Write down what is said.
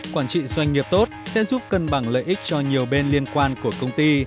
quản trị doanh nghiệp tốt sẽ giúp cân bằng lợi ích cho nhiều bên liên quan của công ty